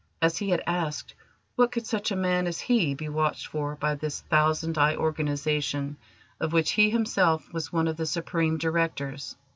As he had asked, what could such a man as he be watched for by this thousand eyed organisation of which he himself was one of the supreme Directors?